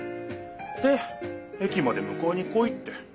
で駅までむかえに来いって。